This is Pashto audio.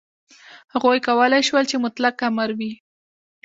هغوی کولای شول چې مطلق امر وي.